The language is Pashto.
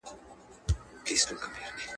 هېر مي دي ښایسته لمسیان ګوره چي لا څه کیږي.